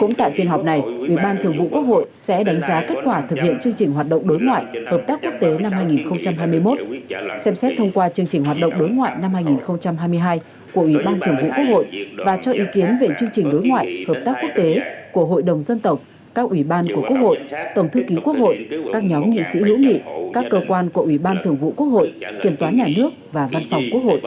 cũng tại phiên họp này ủy ban thường vụ quốc hội sẽ đánh giá kết quả thực hiện chương trình hoạt động đối ngoại hợp tác quốc tế năm hai nghìn hai mươi một xem xét thông qua chương trình hoạt động đối ngoại năm hai nghìn hai mươi hai của ủy ban thường vụ quốc hội và cho ý kiến về chương trình đối ngoại hợp tác quốc tế của hội đồng dân tộc các ủy ban của quốc hội tổng thư ký quốc hội các nhóm nghị sĩ hữu nghị các cơ quan của ủy ban thường vụ quốc hội kiểm toán nhà nước và văn phòng quốc hội